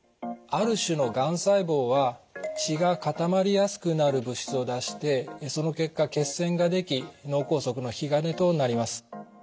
ある種のがん細胞は血が固まりやすくなる物質を出してその結果血栓ができ脳梗塞の引き金となります。